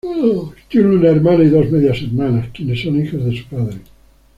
Tiene una hermana y dos medias-hermanas, quienes son hijas de su padre.